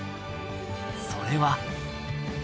それは。